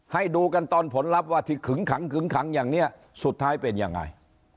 ให้ดูกันตอนผลลัพธ์ว่าที่ขึงขังขึงขังอย่างนี้สุดท้ายเป็นยังไง